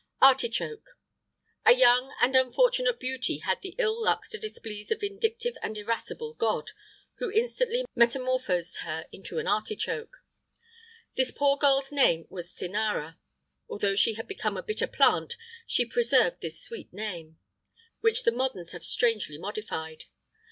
[IX 88] ARTICHOKE. A young and unfortunate beauty had the ill luck to displease a vindictive and irascible god, who instantly metamorphosed her into an artichoke.[IX 89] This poor girl's name was Cinara. Although she had become a bitter plant she preserved this sweet name, which the moderns have strangely modified.